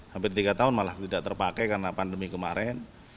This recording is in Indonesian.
hampir tiga tahun malah tidak terpakai karena pandemi kemarin